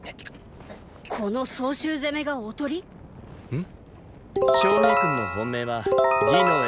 この曹州攻めが“おとり”⁉ん。